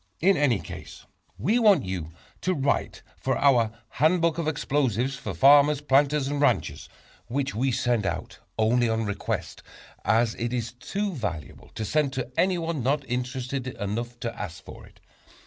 In any case we want you to write for our "Handbook of Explosives for Farmers, Planters and Ranchers," which we send out only on request, as it is too valuable to send to anyone not interested enough to ask for it.